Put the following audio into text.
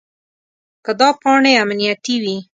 که دا پاڼې امنیتي وي.